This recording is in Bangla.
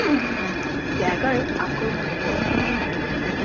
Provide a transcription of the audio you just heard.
ড্যাগার আক্রমণ করবে।